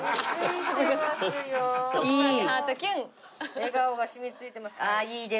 笑顔が染みついてます。